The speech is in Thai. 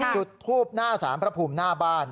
จุดทูบหน้าสารพระภูมิหน้าบ้าน